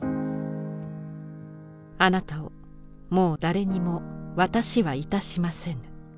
「あなたをもう誰にも渡しはいたしませぬ」。